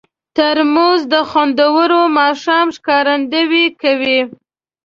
ترموز د خوندور ماښام ښکارندویي کوي.